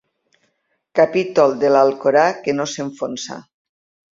Capítol de l'Alcorà que no s'enfonsa.